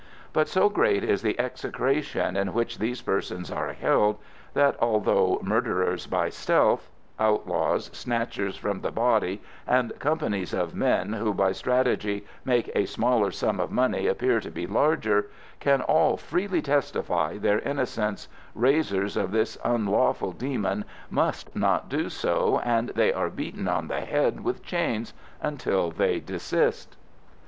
But so great is the execration in which these persons are held, that although murderers by stealth, outlaws, snatchers from the body, and companies of men who by strategy make a smaller sum of money appear to be larger, can all freely testify their innocence, raisers of this unlawful demon must not do so, and they are beaten on the head with chains until they desist.